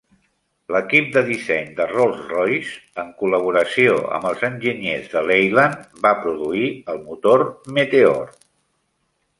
L'equip de disseny de Rolls-Royce, en col·laboració amb els enginyers de Leyland, va produir el motor Meteor.